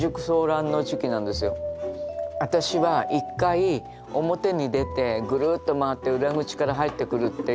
私は一回表に出てぐるっと回って裏口から入ってくるっていう。